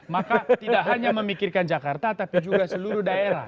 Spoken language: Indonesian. maka tidak hanya memikirkan jakarta tapi juga seluruh daerah